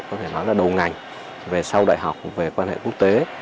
có thể nói là đầu ngành về sau đại học về quan hệ quốc tế